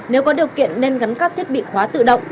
nếu có điều kiện nên gắn các thiết bị khóa tự động